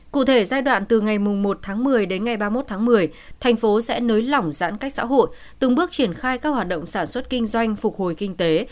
cụ thể giai đoạn từ ngày một tháng một mươi đến ngày ba mươi một tháng một mươi thành phố sẽ nới lỏng giãn cách xã hội từng bước triển khai các hoạt động sản xuất kinh doanh phục hồi kinh tế